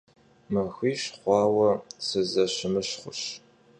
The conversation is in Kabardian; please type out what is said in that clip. Maxuiş xhuaue sızeşımuşxhuş.